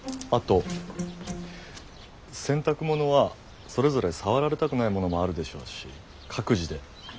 あと洗濯物はそれぞれ触られたくないものもあるでしょうし各自で。